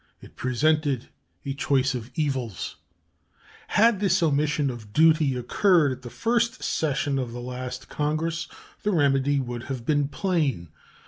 It presented a choice of evils. Had this omission of duty occurred at the first session of the last Congress, the remedy would have been plain.